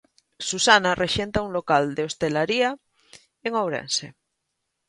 Susana rexenta un local de hostalería en Ourense.